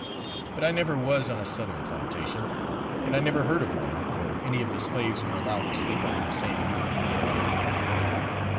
But I never was on a southern plantation, and I never heard of one, where any of the slaves were allowed to sleep under the same roof with their owner.